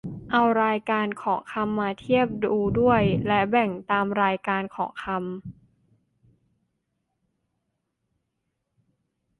เอารายการของคำมาเทียบดูด้วย และแบ่งตามรายการของคำ